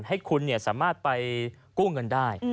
ให้คุณสามารถไปกู้เงินได้